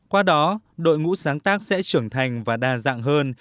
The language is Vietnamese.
qua đó đội ngũ sáng tác sẽ trưởng thành và đa dạng hơn